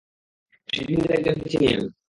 এডমিনদের একজনকে চিনি আমি।